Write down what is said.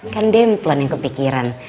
kan dia yang pelan yang kepikiran